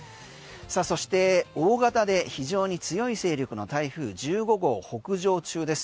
そして大型で非常に強い勢力の台風１５号、北上中です。